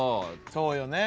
そうよね。